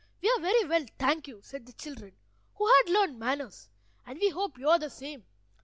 "We are very well, thank you," said the children, who had learned manners, "and we hope you are the same.